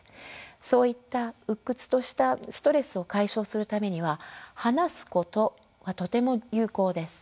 そういった鬱屈としたストレスを解消するためには「話すこと」はとても有効です。